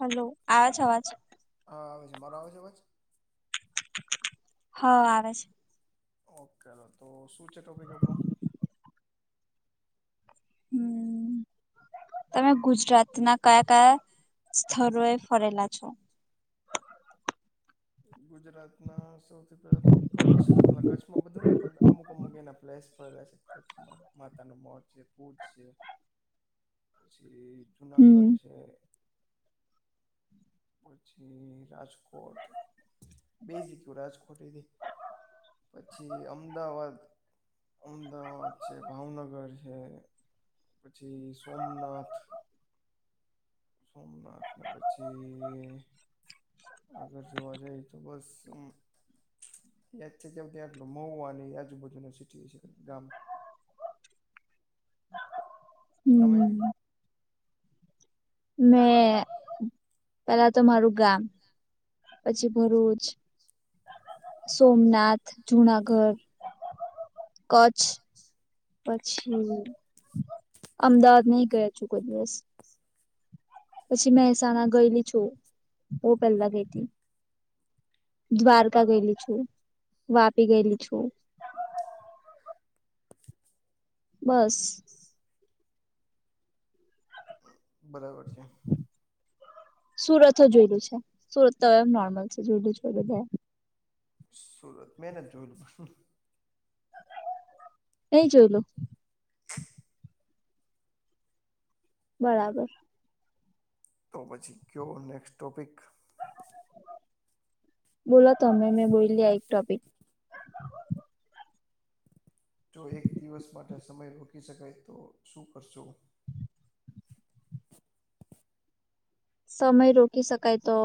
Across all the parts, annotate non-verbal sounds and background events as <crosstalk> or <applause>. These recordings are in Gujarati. હલો, આવે છે આવાજ? હા, આવે છે, મારો આવે છે અવાજ? હા, આવે છે. ઓકે, તો શું છે ટોપિક આપણો. હમ, તમે ગુજરાતના કયા કયા સ્થરોએ ફરેલા છે. ગુજરાતના સૌથી પેલા તો કચ્છ <unintelligible> કચ્છમાં બધું નઈ પણ અમુક અમુક એના પ્લેસ <unintelligible> કચ્છમાં માતા નો મોઢ છે, ભુજ છે, પછી જુનાગઢ છે. પછી રાજકોટ, બેય સીધુ રાજકોટ <unintelligible> પછી અમદાવાદ, અમદાવાદ છે, ભાવનગર છે, પછી સોમનાથ સોમનાથ ને પછી આગળ જોવા જઈએ તો બસ <unintelligible> યાદ છે જેમ કે મહુવાની આજુબાજુ ના સિટી સે ગામ તમે મેં, પેલા તો મારૂ ગામ પછી ભરૂચ, સોમનાથ, જુનાગઢ, કચ્છ, પછી અમદાવાદ નહી ગયેલ છું કોઈ દિવસ. <inaudible> પછી મહેસાણા ગયેલી છું. બહુ પહેલા ગઈ હતી. દ્વારકા ગયેલી છું વાપી ગયેલી છું. બસ. બરાબર છે. સુરત જોયલું છે સુરત તો એમ નોર્મલ છે જોયેલું બધાને. સુરત મે નથ જોયેલુ નહીં જોયેલુ બરાબર. તો પછી કયો નેક્સ્ટ ટોપિક. બોલો તમે મેં બોલી આ એક ટોપિક જો એક દિવસ માટે સમય રોકી શકાય તો શું કરશો. સમય રોકી શકાય તો.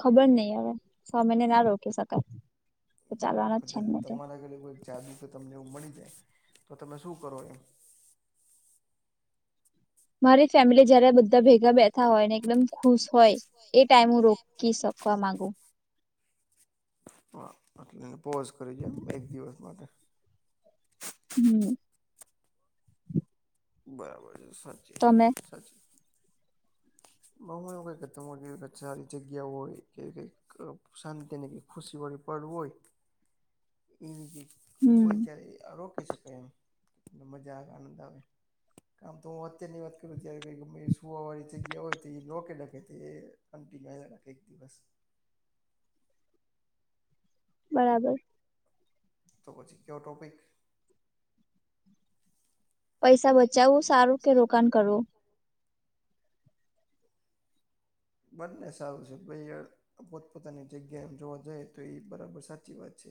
ખબર નહી હવે સમયને ના રોકી શકાય. ક તમારે ઘરે કે કોઈ જાદુ કે તમને એવું મળી જાય તો તમે શું કરો એમ. મારી ફેમિલી જયારે બધા ભેગા બેઠા હોય અને ને એકદમ ખુશ હોય એ ટાઈમ હું રોકી શકુ. ક્વા માગું, હ એટલે એને પોઝ કરી જ દઇએ એક દિવસ માટે, હું. બરાબર છે, સાચી, સાચી. બહુ કોઈ કરતા હો કે કે સારી જગ્યા હોય કે, કઈ એક શાંતિને ખુશી વાળી પળ હોય એવી રીતે હોય ત્યારે રોકી શકાય એમ, મજા આવે આનંદ આવે કામ તો હું અત્યારની વાત કરું જ્યારે ગમે ઇસ્યૂ આવે જગ્યા હોય તે લોકેખે કિન્ટીન્યુ એક દિવસ. બરાબર, તો પછી કયો ટોપિક, પૈસા બચાવું સારું કે રોકાણ કરવું, બંને સારું છે, ભાઈળ. પોતપોતાની જગ્યા એમ જોવા જઈતો એ બરાબર સાચી વાત છે,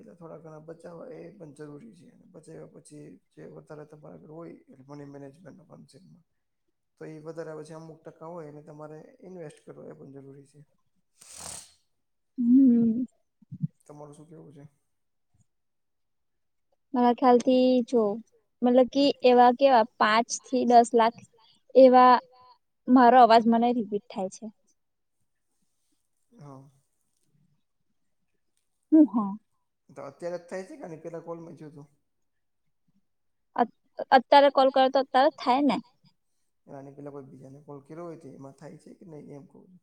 એટલે થોડા ઘણા બચાવવાએ પણ જરૂરી છે, બચાવ્યા પછી જે વધારે તમારે હોય. એ મેનેજમેન્ટ કરવાનું છે તોએ વધારે પછી અમુક ટકા હોય એ તમારે, ઇન્વેસ્ટ કરવો એ પણ જરૂરી છે, હા તમારું શું કહેવું છે, મારા ખ્યાલથી જો મતલબ કે એવા કેવા પાંચથી દસ લાખ. એવા મારો અવાજ મને રિપીટ થાય છે, હા હું હ તો અત્યારે જ થાય છે, એની પેલા કોલ માં થયું હતું. અત્યારે કોલ કરે તો અત્યારે થાયને, એ આની પેલા કોઈ બીજાને કોલ કર્યો હોય તો એમાં થાય છે, કે નહીં એમ કવ છું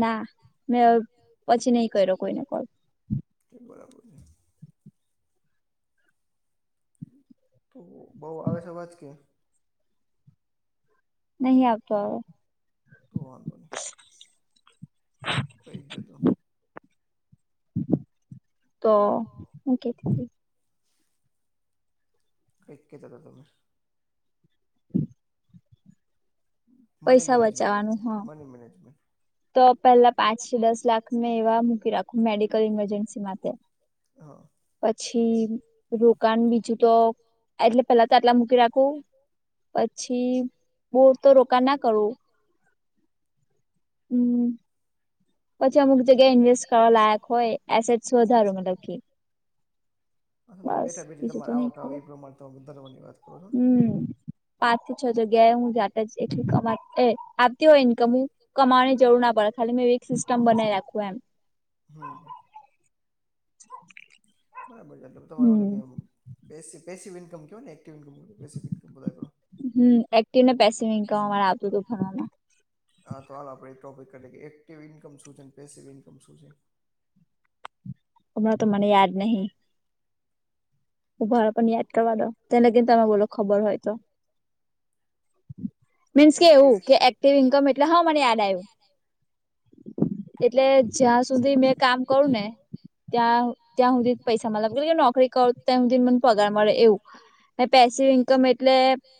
ના મેં અવ પછી નહીં કર્યો કોઈને કોલ. બરાબર છે, તો બઉ આવે છે, અવાજ કે નહીં આવતો હવ તો વાંધો નહીં થહી જતો, તો હું કેતીતી, કંઈ કેતાતા, તમે. Money management, money management. પહેલા પાંચથી દસ લાખ મેં એવા મૂકી રાખું મેડિકલ ઇમરજન્સી માટે, હા, <inaudible> પછી રોકાણ બીજું તો એટલે પેલાતો આટલા મૂકી રાખું, પછી બહુતો રોકાણના કરું. હું. પછી અમુક જગ્યા ઇન્વેસ્ટ કરવા લાયક હોય એસેસ વધારો મતલબ કે, હા તો બેઠા બેઠી તમારે આવક આવે એ પ્રમાણે તમે વધારવાની વાત કરો છો ને, પાંચ થી છ જગ્યાએ હું જાતા હું તે એ કમાય. એ આવતી હોય ઇન્કમ, કમાવાની જરૂર ના પડે ખાલી મેં એવી એક સિસ્ટમ બનાવી રાખું એમ. હા, બરાબર ચાલે તમા ઇન્કમ કેને એકિવમ. હું એકટીને પેસીવ ઇન્કમ અમારે આવતું હતું, ભણવામાં. હાતો, હાલ આપડે એક ટોપિક કે એક્ટિવ ઇન્કમ શું છે, પેસિવ ઇન્કમ શું છે. હમણા તો મને યાદ નહીં. ઉભા રો પણ યાદ કરવા દો ત્યા લગીને તમે બોલો ખબર હોય તો, મીન્સ કે એવું કે, કેવી ઇન્કમ એટલે હા મને યાદ આવ્યું, એટલે જ્યાં સુધી મેં કામ કરું ને, ત્યાં ત્યાં હુધી પૈસા મલે નોકરી કરૂં. તેમ પગાર મળે એવું <unintelligible> પેસીવ ઇન્કમ એટલે,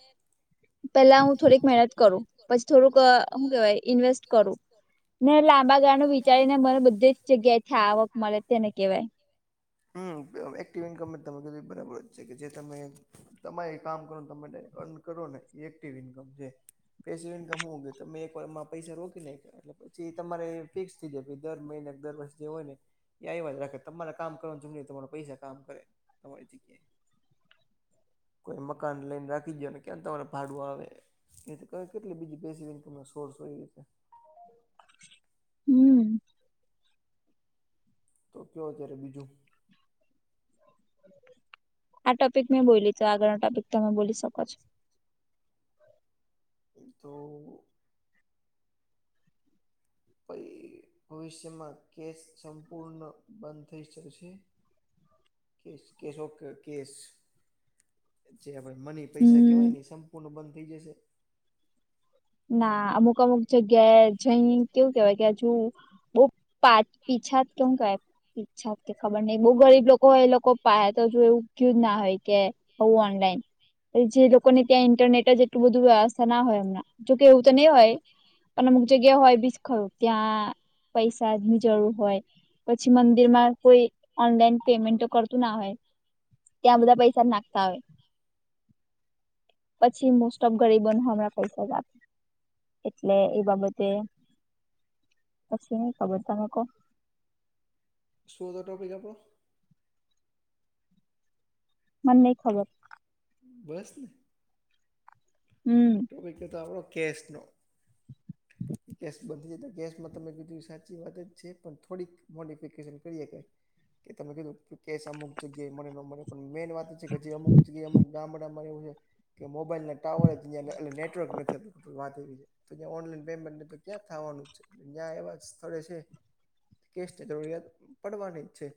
પેલા હું થોડીક મહેનત કરું પછી થોડુંક શું કેહેવાય ઇન્વેસ્ટ કરું, ને લાંબા ગાળું વિચારીને મને બધી જ જગ્યાએ થી આવક મળે તેને કેવાય, હમ એક્ટિવ ઇન્કમ તમે બરાબર જ છે, કે જે તમે, તમારે કામ કરો તમે ડાયરેક્ટ અર્ન કરો ને એ એક્ટિવ ઇન્કમ છે. <unintelligible> પેસીવ ઇનકમ મા તમેં એક વાર માં પૈસા રોકી નાખીયા, એટલે તમારે ફિક્સ થઈ જાય દર મહિના દર વર્ષ જે હોય ને એ આયવા જરાખે તમારા, કામ કરવાની જરૂર નય તમારે પૈસા કામ કરે તમારી જગ્યાએ, કોઈ મકાન લઈને રાખી દયો ને કેમ તમારે ભાડું આવે, એ તો કેટલી બધી ફેસીલીટીના સોર્સ હોય, હમ, તો કયો અત્યારે બીજું આ ટોપિક મેં બોલી તો આગળના ટોપિક તમે બોલી શકો છો, એમ તો, ભવિષ્યમાં કેસ સંપૂર્ણ બંધ થઈ શકેશે. કેસ કે રોકડ કેસ, જે મની પૈસા કેવાય ને સંપૂર્ણ બંધ થઈ જશે, ના અમુક અમુક જગ્યાએ, જઈ કેવું કેવાય કે હજુ બહ, <unintelligible> કેમ કહે <unintelligible> <inaudible> ઈચ્છા કે ખબર નઈ બઉુ ગરીબ લોકો હોય, એ લોકો પાહે તો જો એવું થયુ જ ના હોય કે, હો ઓનલાઈન જે લોકોને ત્યાં ઈન્ટરનેટ જ એટલું બધું વ્યવસ્થા ના હોય હમણા, જોકે એવું તો નહી હોય, પણ અમુક જગ્યા હોય બીજ ખરું ત્યાં પૈસા ની જરૂર હોય. પછી મંદિરમાં કોઈ ઓનલાઈન પેમેન્ટ થી કરતું ના હોય, ત્યાં બધા પૈસાજ નાખતા હોય, પછી મોસ્ટ ઓફ ગરીબોને હમણાં પૈસા જ આપે, એટલે એ બાબતે પછી નહી ખબર તમે કો, શું હતો ટોપિક આપડો, મને નય ખબર, બસ, હમમ, એ કે તો આપણો કેશ નો, <unintelligible> ગેસ બંધ જ ગેસમાં તમે કીધું સાચી વાત જ છે પણ થોડીક મોડિફિકેશન કરીએ, કે તમે કીધું કે કેશ અમુક જગ્યાએ મળે ન મળે, પણ મેન વાત છે કે અમુક જગ્યાએ કે અમુક ગામડાઓ માં મોબાઇલના ટાવર, અને નેટવર્ક નથી આવતુ વાત એવી છે, તો ત્યાં ઓનલાઈન પેમેન્ટ ને તો ક્યાં થવાનું છે જ્યાં એવા સ્થળે છે, કેશ ની જરૂરિયાત પડવાની જ છે,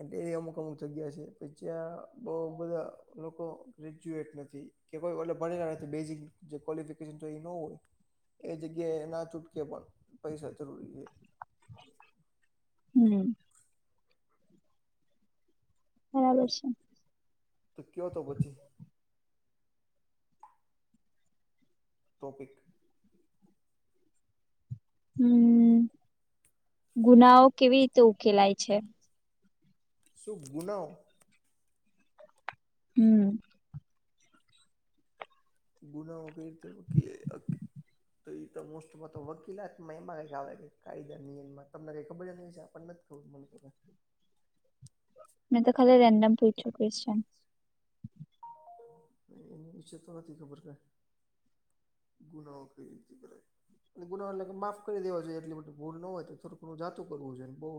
એવી અમુક અમુક જગ્યા છે જ્યાં બોવ બધા લોકો, ગ્રેજ્યુએટ નથી કે કોઈ ભણેલા નથી બેઝીક જે કોલફિકેશન જોય એ એ ન હોય, એ જગ્યાએ ના છૂટકે પણ પૈસા જરૂરી છે, હમમ બરાબર છે, તો ક્યો તો પછી, ટોપિક, હમ્મ ગુનાઓ કેવી રીતે ઉકેલાય છે., શું ગુનાઓ, હમમ, ગુનાઓ કઈ રીતે <unintelligible> તો એ તો મોસ્ટમાં તો વકીલાતમાં એમાં કઈક આવે કાયદા નિયમમાં તમને કઈ ખબર જ નથી આપને, ખ મ મળ કર <inaudible> <unintelligible> મેં તો ખાલી રન્ડમ પૂછું ક્વેસચન, એની વિષે તો નથી ખબર કઈ ગુનાઓ કઈ રીતે કરાય, એ ગુનો એટલે કે માફ કરી દેવા જોઈએ એટલી બધી ભૂલ ન હોય તો થોડું ઘણું જાતું કરવું જોઈએને, બોવ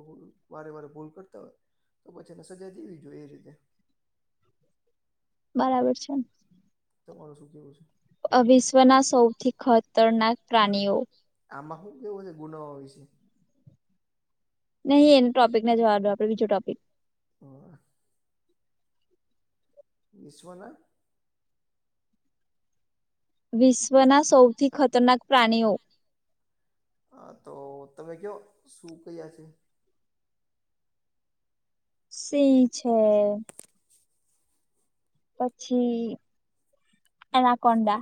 વારે વારે ભૂલ કરતા હોય તો પછી એને સજા દેવી જોઈએ એ રીતે, બરાબર છે, તમારું શું કેવું છે, અ વિશ્વના સૌથી ખતરનાક પ્રાણીઓ, આમાં શું કેવું છે ગુનાઓ વિશે, નહીં એને ટોપિક ને જવા દો આપને બીજો ટોપિક, હમમ, વિશ્વના, વિશ્વના સૌથી ખતરનાક પ્રાણીઓ, હા તો તમે ક્યો શું પેલા છે., સિંહ છે, પછી એના કોન્ડા,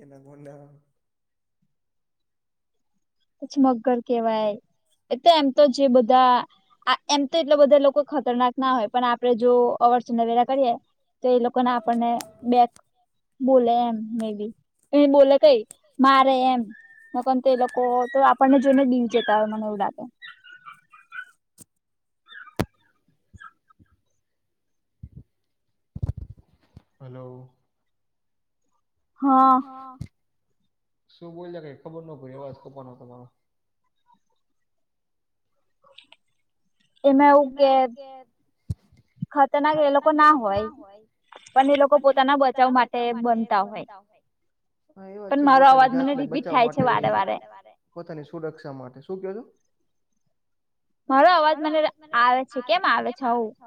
એના કોન્ડા, પછી, મગર કેવાય એ તો એમ- તો, જે બધા, એમ તો એટલા બધા લોકો ખતરનાક- ના હોય, પણ આપડે જો અવરસ નવેરા કરીએ, તો એ લોકો ના આપણને બેક- બોલે એમ, મે બી એ બોલે કઈ, મારે એમ નતો એ લોકો- તો, આપણને જોઈને બીવી જતા હોય, મને એવું લાગે. હલો હા શું બોયલા? કઈ ખબર ન પડી, અવાજ કપાનો તમારો. <inaudible> એમાં એવું કે, ખતરનાક એ લોકો ના હોય, પણ, એ લોકો પોતાના બચાવ માટે બનતા હોય- હા <unintelligible> <inaudible> એ વાત છે, જાતને બચવા માટે ઈ- પોતાની સુરક્ષા માટે શું ક્યો છો? મારો અવાજ મને આવે છે, કેમ આવે છે?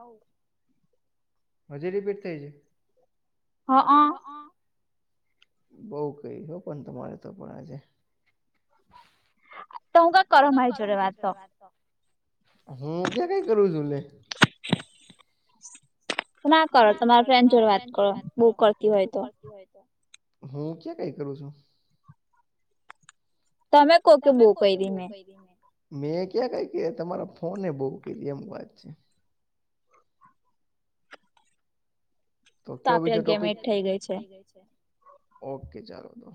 આવ હજી રીપીટ થાય છે? હમ બઉ કરી, હો પણ તમારે તો પણ આજે. તો શું કા કરો મારી જોડે વાતો, હું ક્યા કઈ કરું છું એલે. ના કરો, તમારા ફ્રેન્ડ જોડ વાત કરો. બોવ ઉકળતી હોય તો. હું ક્યાં કઈ કરું છું? તમે પોતે બોઅ કરી, મેં ક્યાં કવ તમારા ફોને બોવ કરી એમ વાત છે. તો <unintelligible> ક બીજો ટોપિક થ ઓકે ચાલો તો.